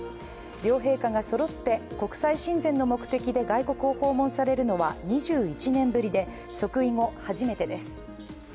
両陛下がそろって国際親善の目的で外国を訪問されるのは２１年ぶりで、即位後、初めてです。